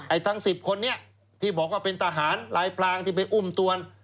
ทั้ง๑๐คนนี้ที่บอกว่าเป็นทหารลายพรางที่ไปอุ้มตัว